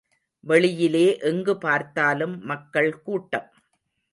வெளியிலே எங்கு பார்த்தாலும் மக்கள் கூட்டம்.